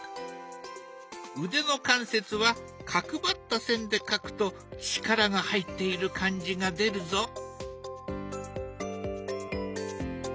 腕の関節は角ばった線で描くと力が入っている感じが出るぞ。